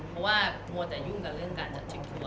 เพราะว่ามัวแต่ยุ่งกับเรื่องการจัดชิงตัว